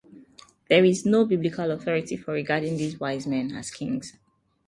There is no Biblical authority for regarding these wise men as kings.